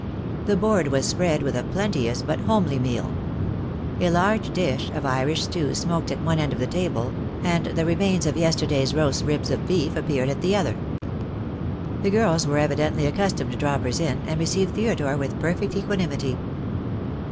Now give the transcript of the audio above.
The board was spread with a plenteous but homely meal. A large dish of Irish stew smoked at one end of the table, and the remains of yesterday's roast ribs of beef appeared at the other. The girls were evidently accustomed to droppers in, and received Theodore with perfect equanimtiy.